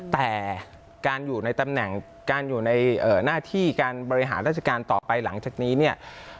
แต่การอยู่ในตำแหน่งการอยู่ในหน้าที่การบริหารราชการต่อไปหลังจากนี้เนี่ย